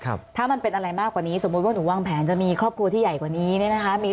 ครับถ้ามันเป็นอะไรมากอ่ะนี้สมมุติว่าดุม่างแผนอัตรีครอบครัวที่ใหญ่กว่านี้นะคะ